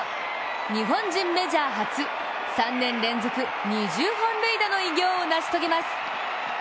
日本人メジャー初、３年連続２０本塁打の偉業を成し遂げます。